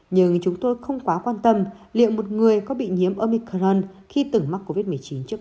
nhưng chúng tôi không quá quan tâm liệu một người có bị nhiễm omicron khi từng mắc covid một mươi chín trước